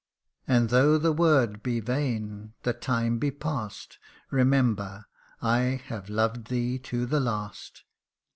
And though the word be vain the time be pass'd, Remember I have loved thee to the last